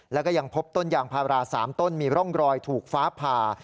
แล้วก็ยังพบต้นยางพารา๓ต้นมีร่องรอยถูกฟ้าผ่า